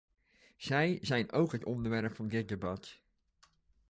Zij zijn ook het onderwerp van dit debat.